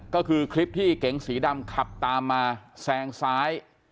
ก็คือคลิปที่เก๋งสีดำขับตามมาแซงซ้าย